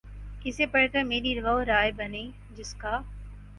اسے پڑھ کر میری وہ رائے بنی جس کا